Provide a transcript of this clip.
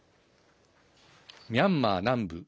ミャンマー南部。